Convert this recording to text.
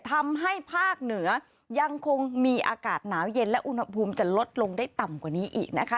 ทำให้ภาคเหนือยังคงมีอากาศหนาวเย็นและอุณหภูมิจะลดลงได้ต่ำกว่านี้อีกนะคะ